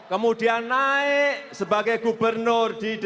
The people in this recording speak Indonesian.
kemudian naik lagi sebagai gubernur di dki jakarta